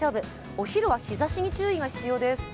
お昼は日ざしに注意が必要です。